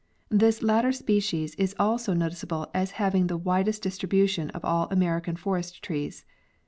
This latter species is also noticeable as having the widest distribution of all American forest trees.